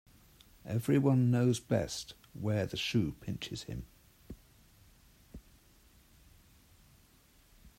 Every one knows best where the shoe pinches him.